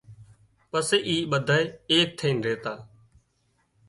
پسي اِي ٻڌائي ايڪ ٿئينَ ريتا